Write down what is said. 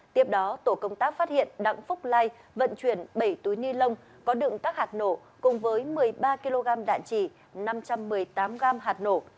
tiếp đó tổ công tác phát hiện đặng phúc lai vận chuyển bảy túi ni lông có đựng các hạt nổ cùng với một mươi ba kg đạn trì năm trăm một mươi tám gram hạt nổ